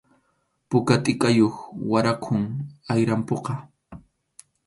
Puka tʼikayuq waraqum ayrampuqa.